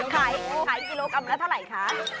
ขายกิโลกรัมละเท่าไหร่คะ